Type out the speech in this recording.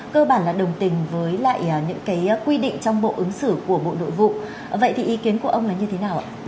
cơ bản là đồng tình với lại những cái quy định trong bộ ứng xử của bộ nội vụ vậy thì ý kiến của ông là như thế nào ạ